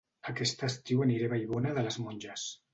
Aquest estiu aniré a Vallbona de les Monges